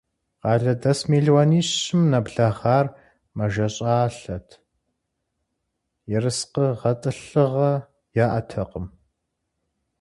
Къалэдэс мелуанищым нэблагъэр мэжэщӀалӀэт, ерыскъы гъэтӀылъыгъэ яӀэтэкъым.